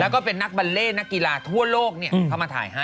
แล้วก็เป็นนักบัลเล่นะกีฬาทั่วโลกเข้ามาถ่ายให้